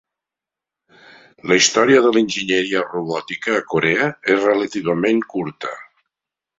La història de l'enginyeria robòtica a Corea és relativament curta.